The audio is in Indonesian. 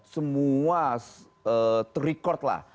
semua ter record lah